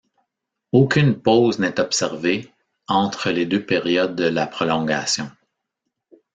Aucune pause n'est observée entre les deux périodes de la prolongation.